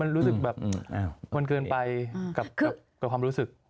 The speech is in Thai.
มันรู้สึกแบบมันเกินไปกับความรู้สึก